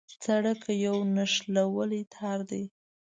سړک یو نښلوی تار دی.